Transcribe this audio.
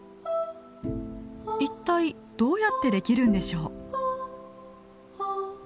一体どうやってできるんでしょう？